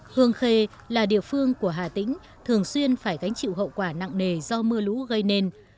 hương khê là địa phương của hà tĩnh thường xuyên phải gánh chịu hậu quả nặng nề do mưa lũ gây nên